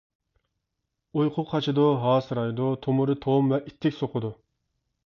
ئۇيقۇ قاچىدۇ، ھاسىرايدۇ، تومۇرى توم ۋە ئىتتىك سوقىدۇ.